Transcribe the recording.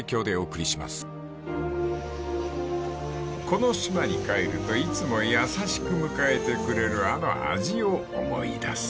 ［この島に帰るといつも優しく迎えてくれるあの味を思い出す］